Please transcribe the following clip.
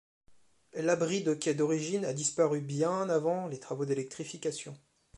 L'abri de quai d'origine a disparu bien avant les travaux d'électrification.